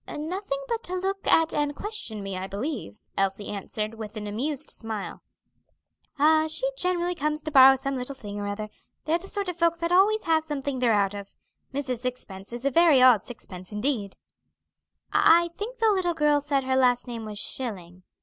"Nothing but to look at and question me, I believe." Elsie answered, with an amused smile. "Ah! she generally comes to borrow some little thing or other. They're the sort of folks that always have something they're out of. Mrs. Sixpence is a very odd sixpence indeed." "I think the little girl said her last name was Schilling."